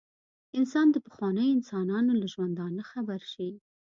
انسان د پخوانیو انسانانو له ژوندانه خبر شي.